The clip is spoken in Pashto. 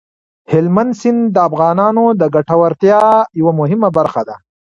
هلمند سیند د افغانانو د ګټورتیا یوه مهمه برخه ده.